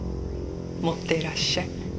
持っていらっしゃい。